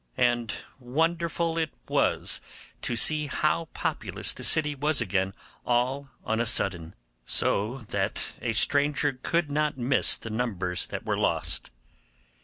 And wonderful it was to see how populous the city was again all on a sudden, so that a stranger could not miss the numbers that were lost.